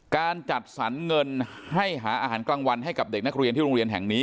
การจัดสรรเงินให้หาอาหารกลางวันให้กับเด็กนักเรียนที่โรงเรียนแห่งนี้